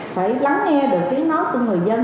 phải lắng nghe được tiếng nói của người dân